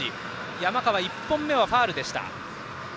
山川、１本目はファウルでした。